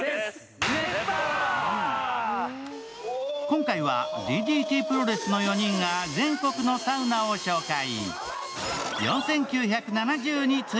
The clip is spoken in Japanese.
今回はＤＤＴプロレスの４人が全国のサウナを紹介。